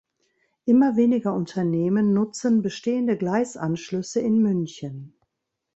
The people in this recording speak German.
Immer weniger Unternehmen nutzen bestehende Gleisanschlüsse in München.